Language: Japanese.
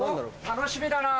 楽しみだなぁ。